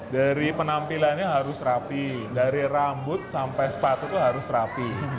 dari penampilannya harus rapi dari rambut sampai sepatu itu harus rapi